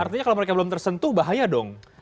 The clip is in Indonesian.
artinya kalau mereka belum tersentuh bahaya dong